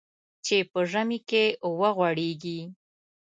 چې په ژمي کې وغوړېږي .